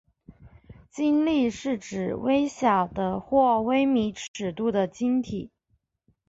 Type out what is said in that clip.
晶粒是指微小的或微米尺度的晶体。